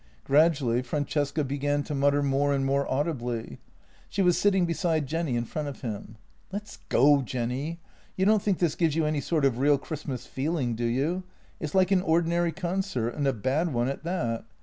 Gradually Francesca began to mutter more and more audibly. She was sitting beside Jenny in front of him. " Let's go, Jenny. You don't think this gives you any sort of real Christmas feeling, do you? It's like an ordinary con cert, and a bad one at that.